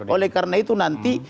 oleh karena itu nanti